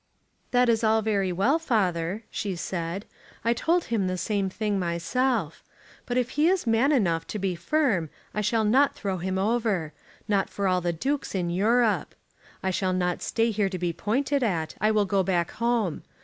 "That is all very well, father," she said; "I told him the same thing myself. But if he is man enough to be firm I shall not throw him over, not for all the dukes in Europe. I shall not stay here to be pointed at. I will go back home.